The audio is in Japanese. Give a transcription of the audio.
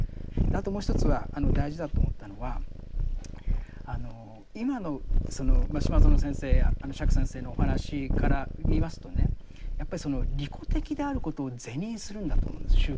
あともう一つは大事だと思ったのはあの今のその島薗先生や釈先生のお話から見ますとねやっぱりその利己的であることを是認するんだと思うんです宗教が。